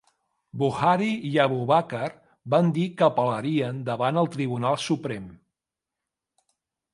Buhari i Abubakar van dir que apel·larien davant el Tribunal Suprem.